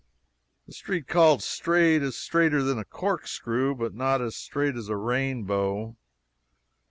The street called Straight is straighter than a corkscrew, but not as straight as a rainbow.